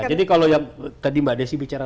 jadi kalau yang tadi mbak desi bicara